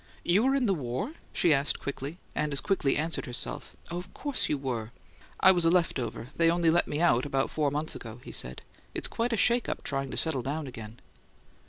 "You were in the War?" she asked, quickly, and as quickly answered herself, "Of course you were!" "I was a left over; they only let me out about four months ago," he said. "It's quite a shake up trying to settle down again."